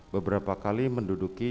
beberapa kali menduduki